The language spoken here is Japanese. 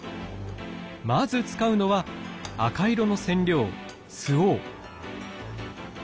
まず使うのは赤色の染料スオウ。